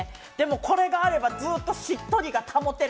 これがあればずっとしっとりが保てる。